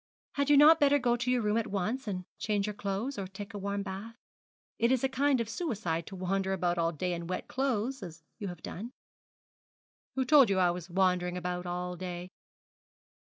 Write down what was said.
'Had you not better go to your room at once and change your clothes, or take a warm bath. It is a kind of suicide to wander about all day in wet clothes as you have done.' 'Who told you I was wandering about all day?'